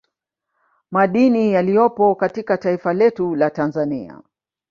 Madini yaliyopo katika taifa letu la Tanzania